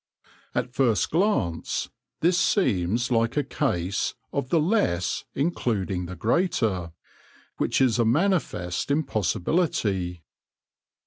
At first glance this seems like a case of the less in cluding the greater, which is a manifest impossibility.